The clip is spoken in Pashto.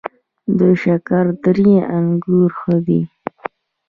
د شکردرې انګور ښه دي